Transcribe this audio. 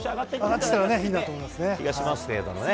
上がってきたらいいなと思い気がしますけどね。